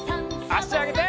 あしあげて。